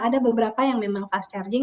ada beberapa yang memang fast charging